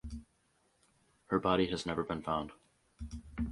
Her body has never been found.